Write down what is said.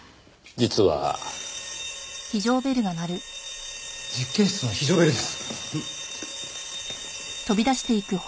実験室の非常ベルです！